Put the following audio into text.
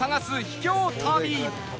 秘境旅